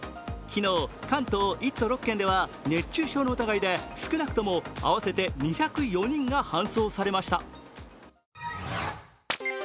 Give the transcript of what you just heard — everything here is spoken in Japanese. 昨日、関東１都６県では熱中症の疑いで少なくとも合わせて２０４人が搬送されました。